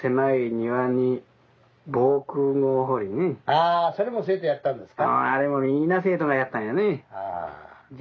「あそれも生徒やったんですか」。